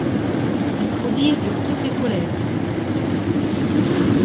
Du prodige de toutes les colères, disaient les autres.